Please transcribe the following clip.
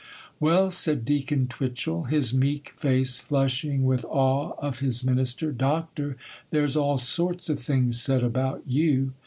'Well,' said Deacon Twitchel,—his meek face flushing with awe of his minister—'Doctor, there's all sorts of things said about you.